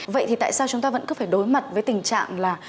vậy thì tại sao chúng ta vẫn cứ phải đối mặt với tình trạng là